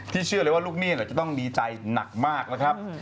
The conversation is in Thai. เชื่อเลยว่าลูกหนี้จะต้องดีใจหนักมากนะครับ